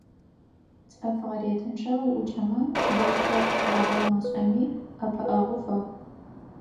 ЦӀыф гъэретынчъэ уӀукӀэмэ, сыдэущтэу пшӀуабэ машӀэми, ӀэпыӀэгъу фэхъу.